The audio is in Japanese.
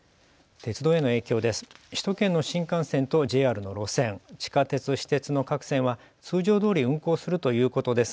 鉄道への影響です。